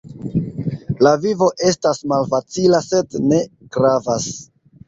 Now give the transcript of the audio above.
La vivo estas malfacila, sed ne gravas.